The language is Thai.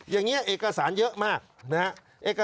อย่างนี้เอกสารเยอะมากนะครับ